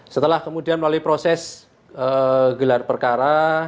setelah kemudian melalui proses gelar perkara